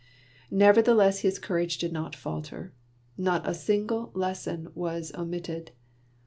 Nevertheless his courage did not falter; not a single lesson was omitted.